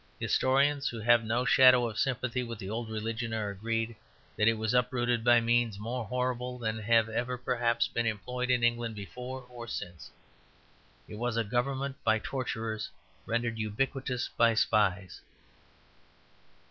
Historians, who have no shadow of sympathy with the old religion, are agreed that it was uprooted by means more horrible than have ever, perhaps, been employed in England before or since. It was a government by torturers rendered ubiquitous by spies.